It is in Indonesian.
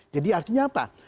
jadi artinya apa